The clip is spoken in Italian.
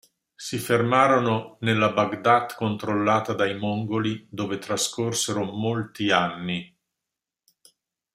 Si fermarono nella Baghdad controllata dai mongoli, dove trascorsero molti anni.